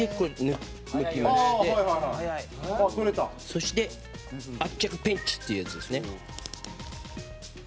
そして圧着ペンチっていうやつですね。